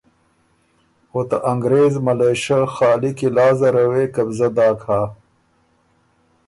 او ته انګرېز ملېشه خالی قلعه زره وې قبضۀ داک هۀ،